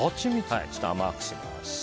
ちょっと甘くします。